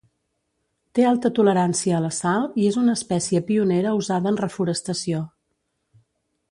Té alta tolerància a la sal i és una espècie pionera usada en reforestació.